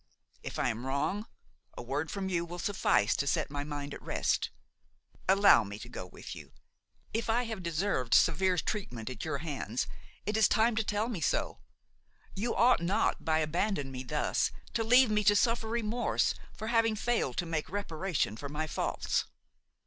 If I am wrong, a word from you will suffice to set my mind at rest; allow me to go with you. If I have deserved severe treatment at your hands, it is time to tell me so; you ought not, by abandoning me thus, to leave me to suffer remorse for having failed to make reparation for my faults."